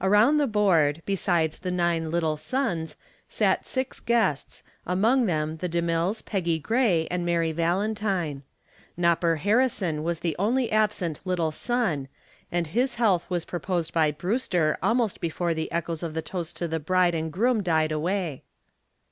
Around the board, besides the nine "Little Sons," sat six guests, among them the DeMilles, Peggy Gray and Mary Valentine. "Nopper" Harrison was the only absent "Little Son" and his health was proposed by Brewster almost before the echoes of the toast to the bride and groom died away.